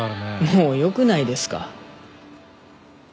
もうよくないですか？